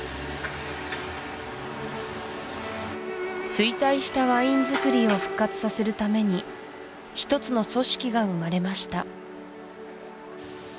衰退したワインづくりを復活させるために１つの組織が生まれました